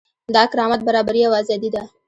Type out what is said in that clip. دا کرامت، برابري او ازادي ده.